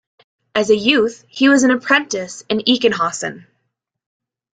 As a youth, he was an apprentice in Ichenhausen.